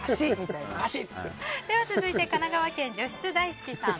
続いて神奈川県の方。